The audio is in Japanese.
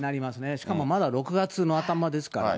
しかもまだ６月の頭ですからね。